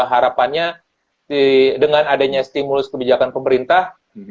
harapannya dengan adanya stimulus kebijakan pemerintah